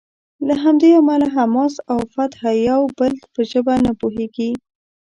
له همدې امله حماس او فتح د یو بل په ژبه نه پوهیږي.